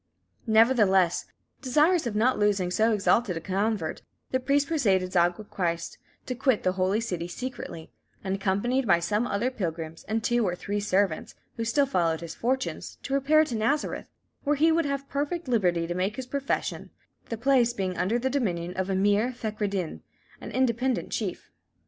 Nevertheless, desirous of not losing so exalted a convert, the priests persuaded Zaga Christ to quit the Holy City secretly, and, accompanied by some other pilgrims and the two or three servants who still followed his fortunes, to repair to Nazareth, where he would have perfect liberty to make his profession, the place being under the domination of Emir Fechraddin, an independent chief.